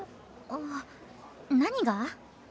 あ何が？